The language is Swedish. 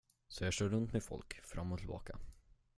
Så jag kör runt med folk, fram och tillbaka.